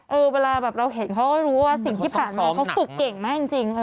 เวลาแบบเราเห็นเขาก็รู้ว่าสิ่งที่ผ่านมาเขาฝึกเก่งมากจริง